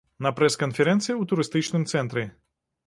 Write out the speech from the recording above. На прэс-канферэнцыі ў турыстычным цэнтры.